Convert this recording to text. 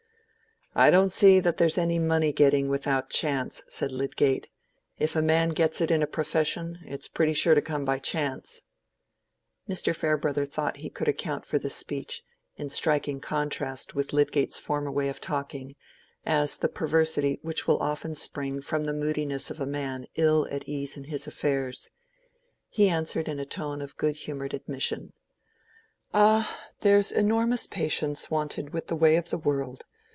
"I don't see that there's any money getting without chance," said Lydgate; "if a man gets it in a profession, it's pretty sure to come by chance." Mr. Farebrother thought he could account for this speech, in striking contrast with Lydgate's former way of talking, as the perversity which will often spring from the moodiness of a man ill at ease in his affairs. He answered in a tone of good humored admission— "Ah, there's enormous patience wanted with the way of the world.